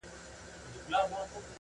اميد کمزوری پاتې کيږي دلته تل،